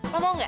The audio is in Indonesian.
lo mau gak